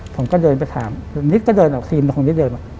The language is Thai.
ผมก็เดินไปถามนิดก็เดินออกซีนลงนิดเดินมา